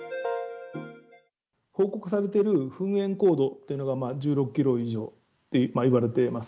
報告されている噴煙高度っていうのが、１６キロ以上といわれてます。